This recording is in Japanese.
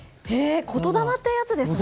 ことだまってやつですね。